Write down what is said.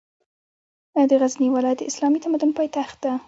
د غزني ولایت د اسلامي تمدن پاېتخت ده